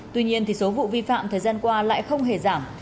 tuy nhiên số vụ vi phạm thời gian qua lại không hề giảm